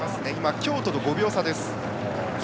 京都と５秒差です。